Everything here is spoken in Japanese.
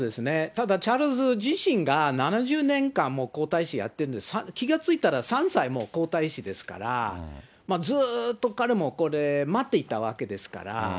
ただ、チャールズ自身が７０年間も皇太子やってんで、気が付いたらも皇太子ですから、ずっと彼もこれ待っていたわけですから。